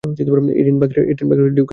এডিনবার্গের ডিউকের স্ত্রী।